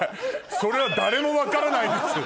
それは誰も分からないです。